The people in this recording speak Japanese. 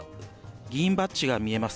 議員バッジが見えます。